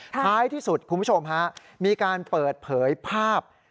ท้ายที่สุดคุณผู้ชมฮะมีการเปิดเผยภาพ